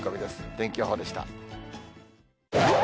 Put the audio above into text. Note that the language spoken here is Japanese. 天気予報でした。